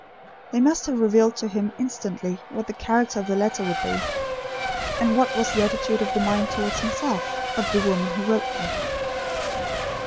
They must have revealed to him instantly, what the character of the letter would be; and what was the attitude of mind towards himself, of the woman who wrote them.